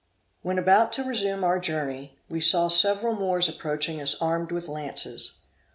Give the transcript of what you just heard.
When about to resume our journey, we saw several Moors approaching us armed with lances.